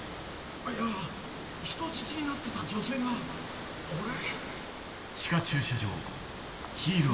いや人質になってた女性があれ？